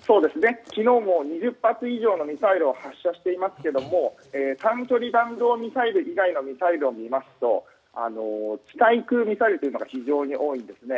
昨日も２０発以上のミサイルを発射していますけれども単距離弾道ミサイル以外のミサイルを見ますと地対空ミサイルというのが非常に多いんですね。